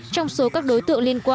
trong số các đối tượng liên quan